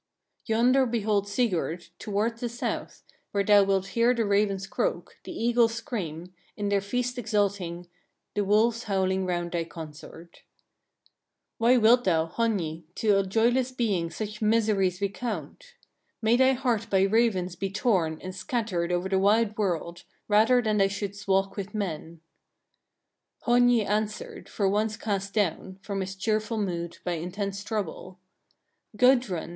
8. Yonder behold Sigurd, towards the south, there thou wilt hear the ravens croak, the eagles scream, in their feast exulting; the wolves howling round thy consort." 9. "Why wilt thou, Hogni! to a joyless being such miseries recount? May thy heart by ravens be torn and scattered over the wide world, rather than thou shouldst walk with men." 10. Hogni answered, for once cast down, from his cheerful mood by intense trouble: "Gudrun!